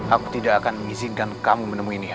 aku tidak akan mengizinkan kamu menemuinya